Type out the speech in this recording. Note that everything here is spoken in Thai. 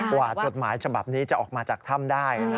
จดหมายฉบับนี้จะออกมาจากถ้ำได้